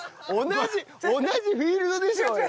同じ同じフィールドでしょうよ。